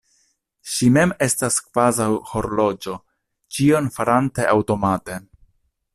Ŝi mem estas kvazaŭ horloĝo, ĉion farante aŭtomate.